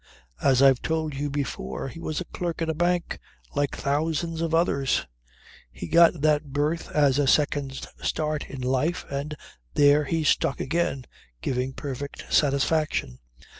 As I've told you before, he was a clerk in a bank, like thousands of others. He got that berth as a second start in life and there he stuck again, giving perfect satisfaction.